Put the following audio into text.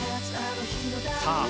さあ